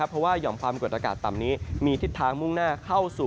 เพราะว่าหย่อมความกดอากาศต่ำนี้มีทิศทางมุ่งหน้าเข้าสู่